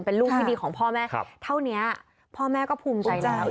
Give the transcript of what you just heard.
เป็นลูกที่ดีของพ่อแม่เท่านี้พ่อแม่ก็ภูมิใจแล้ว